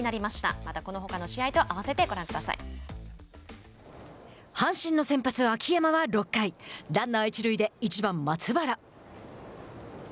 またこのほかの試合と阪神の先発秋山は６回ランナー一塁で１番松原。